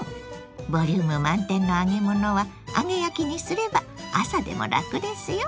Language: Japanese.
ボリューム満点の揚げ物は揚げ焼きにすれば朝でもラクですよ。